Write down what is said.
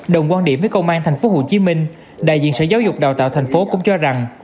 đồng quan điểm với công an tp hcm đại diện sở giáo dục đào tạo tp hcm cũng cho rằng